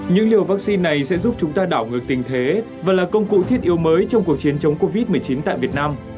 những liều vaccine này sẽ giúp chúng ta đảo ngược tình thế và là công cụ thiết yếu mới trong cuộc chiến chống covid một mươi chín tại việt nam